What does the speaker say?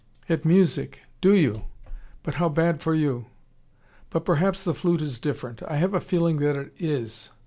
"At music! Do you! But how bad for you. But perhaps the flute is different. I have a feeling that it is.